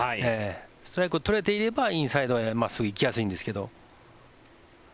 ストライクを取れていればインサイドへ真っすぐを行きやすいんですけど。